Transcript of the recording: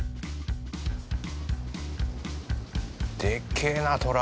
でっけえなトラ。